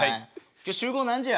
今日集合何時や？